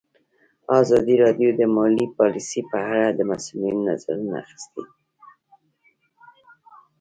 ازادي راډیو د مالي پالیسي په اړه د مسؤلینو نظرونه اخیستي.